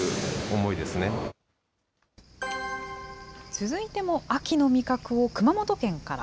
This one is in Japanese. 続いても秋の味覚を熊本県から。